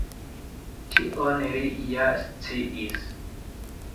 Tion li ja sciis.